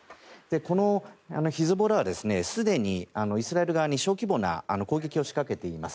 このヒズボラはすでにイスラエル側に小規模な攻撃を仕掛けています。